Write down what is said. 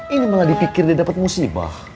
ini malah dipikir dia dapat musibah